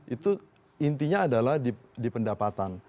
itu intinya adalah di pendapatan